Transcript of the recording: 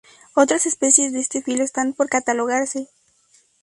Otras especies de este filo están por catalogarse.